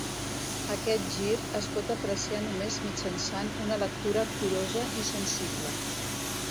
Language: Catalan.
Aquest gir es pot apreciar només mitjançant una lectura curosa i sensible.